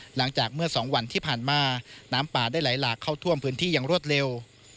หลังจากเมื่อสองวันที่ผ่านมาน้ำป่าได้ไหลหลากเข้าท่วมพื้นที่อย่างรวดเร็ว